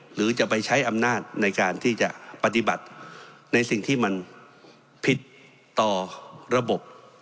หรือจะไปใช้อำนาจในการที่จะปฏิบัติในสิ่งที่มันผิดต่อระบบ